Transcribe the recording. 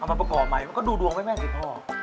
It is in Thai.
เอามันประกอบใหม่ได้ก็ดูดวงไว้แม่งสิพ่อ